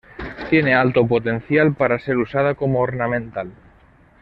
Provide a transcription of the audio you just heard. Tiene alto potencial para ser usada como ornamental.